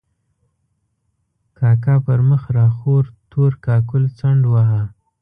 کاکا پر مخ را خور تور کاکل څنډ واهه.